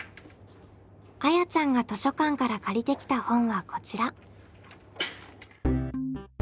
あやちゃんが図書館から借りてきた本はこちら。